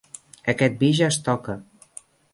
Aquest vi ja es toca.